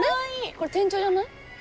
これ店長じゃない？